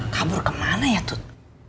kabur kemana ya tut